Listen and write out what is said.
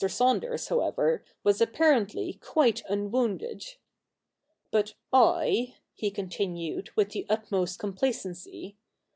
Saunders, however, was apparently quite unwounded. 'But I,' he continued with the utmost complacency.